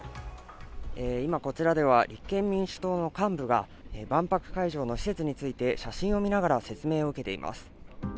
今、こちらでは立憲民主党の幹部が万博会場の施設について写真を見ながら説明を受けています。